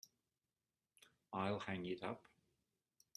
I'll hang it up.